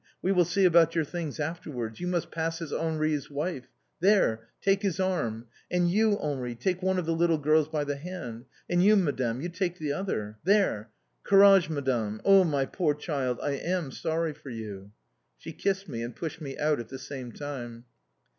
We will see about your things afterwards. You must pass as Henri's wife. There! Take his arm! And you, Henri, take one of the little girls by the hand! And you, Madame, you take the other. There! Courage, Madame. Oh, my poor child, I am sorry for you!" She kissed me, and pushed me out at the same time.